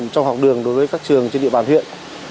trong học đường đối với các trường trên địa bàn huyện